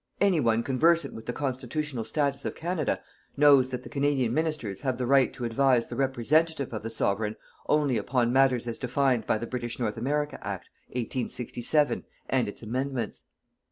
Any one conversant with the constitutional status of Canada knows that the Canadian Ministers have the right to advise the representative of the Sovereign only upon matters as defined by the British North America Act, 1867, and its amendments.